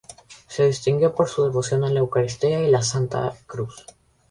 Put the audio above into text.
Se distinguió por su devoción a la Eucaristía y a la Santa Cruz.